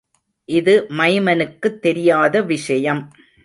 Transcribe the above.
இது மைமனுக்குத் தெரியாத விஷயம்!